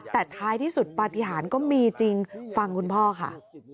แต่ท้ายที่สุดปฏิหารก็มีจริงฟังคุณพ่อค่ะ